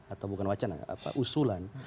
atau bukan wacana usulan